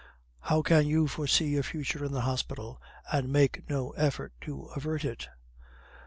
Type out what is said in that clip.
"How can you forsee a future in the hospital, and make no effort to avert it?"